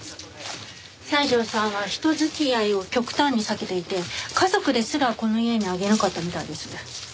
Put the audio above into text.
西條さんは人付き合いを極端に避けていて家族ですらこの家に上げなかったみたいです。